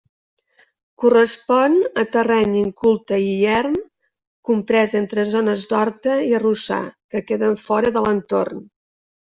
Correspon a terreny inculte i erm comprès entre zones d'horta i arrossar, que queden fora de l'entorn.